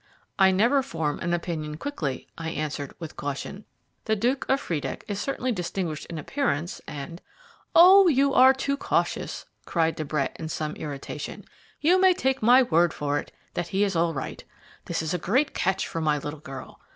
"I never form an opinion quickly," I answered, with caution. "The Duke of Friedeck is certainly distinguished in appearance, and " "Oh, you are too cautious," cried De Brett, in some irritation; "you may take my word for it that he is all right. This is a great catch for my little girl.